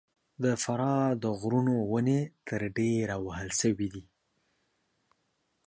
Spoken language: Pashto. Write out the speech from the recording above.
د فراه د غرونو ونې تر ډېره وهل سوي دي.